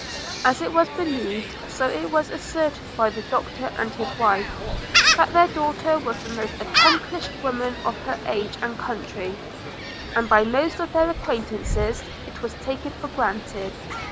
As it was believed, so it was asserted by the Doctor and his wife, that their daughter was the most accomplished woman of her age and country; and by most of their acquaintance it was taken for granted.